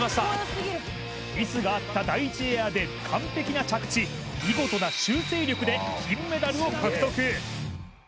ミスがあった第１エアで完璧な着地見事な修正力で金メダルを獲得